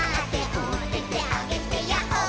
「おててあげてヤッホー」